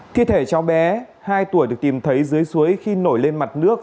thi thể cháu bé hai tuổi được tìm thấy dưới suối khi nổi lên mặt nước